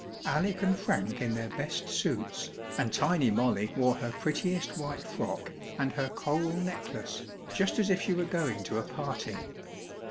Alec and Frank in their best suits, and tiny Molly wore her prettiest white frock and her coral necklace, just as if she were going to a party.